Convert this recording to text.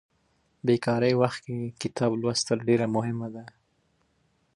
نه په کور کي د پردیو کډي پنډي